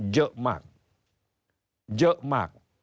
เยอะมาก